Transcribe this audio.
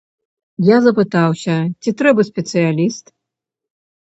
Я запытаўся, ці трэба спецыяліст?